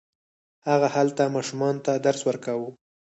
هغه هلته ماشومانو ته درس ورکاوه.